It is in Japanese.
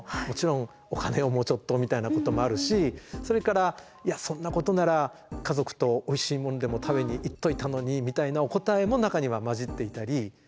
もちろんお金をもうちょっとみたいなこともあるしそれから「いやそんなことなら家族とおいしいものでも食べに行っといたのに」みたいなお答えも中には交じっていたり。